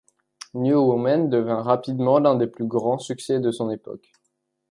New Women devint rapidement l'un des plus grands succès de son époque.